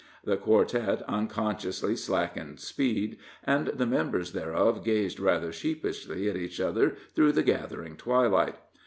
The quartet unconsciously slackened speed, and the members thereof gazed rather sheepishly at each other through the gathering twilight.